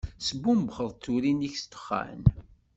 Tesbumbxeḍ turin-ik s ddexxan.